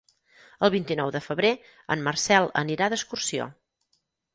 El vint-i-nou de febrer en Marcel anirà d'excursió.